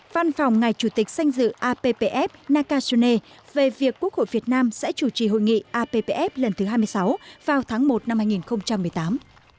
văn phòng ngài chủ tịch sanh dự appf nakasune về việc quốc hội việt nam sẽ chủ trì hội nghị appf lần thứ hai mươi sáu vào tháng một năm hai nghìn một mươi tám